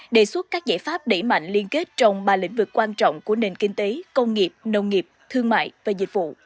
đề xuất các giải pháp đẩy mạnh liên kết trong ba lĩnh vực quan trọng của nền kinh tế công nghiệp nông nghiệp thương mại và dịch vụ